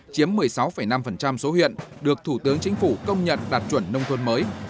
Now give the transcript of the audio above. chiếm một mươi sáu năm số huyện được thủ tướng chính phủ công nhận đạt chuẩn nông thôn mới